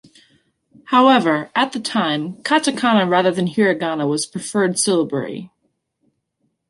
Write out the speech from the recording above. However, at the time, katakana rather than hiragana was the preferred syllabary.